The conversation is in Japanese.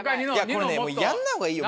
これねやんない方がいいよ